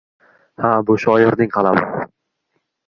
Ha, bu shoirning qalami